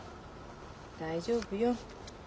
大丈夫よ。